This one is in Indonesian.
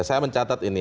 saya mencatat ini